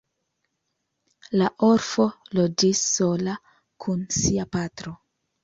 La orfo loĝis sola kun sia patro.